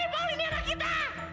eh paul ini anak kita